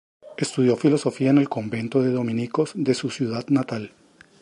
Estudió filosofía en el convento de dominicos de su ciudad natal.